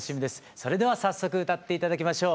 それでは早速歌って頂きましょう。